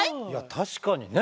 確かにね。